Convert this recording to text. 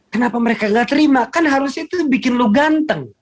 kenapa mereka ga terima kan harus itu bikin lu ganteng